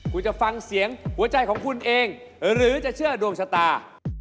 คุณจะฟังเสียงหัวใจของคุณเองหรือจะเชื่อดวงชะตา